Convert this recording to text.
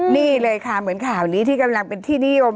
นี่เลยค่ะเหมือนข่าวนี้ที่กำลังเป็นที่นิยม